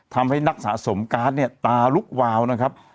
ทำให้นักสะสมการ์ดเนี่ยตาลุกวาวนะครับ